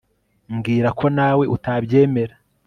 Mbwira ko nawe utabyemera